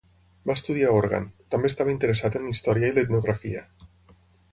Va estudiar òrgan, també estava interessat en història i l'etnografia.